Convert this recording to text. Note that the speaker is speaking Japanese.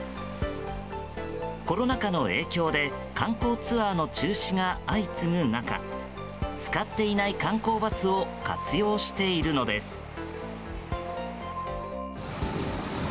コロナ禍の影響で観光ツアーの中止が相次ぐ中使っていない観光バスを活用しているのです。